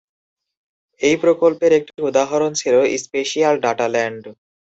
এই প্রকল্পের একটি উদাহরণ ছিল "স্পেশিয়াল ডাটাল্যান্ড"।